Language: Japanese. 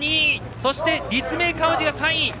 そして立命館宇治が３位！